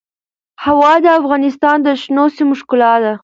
هوا د افغانستان د شنو سیمو ښکلا ده.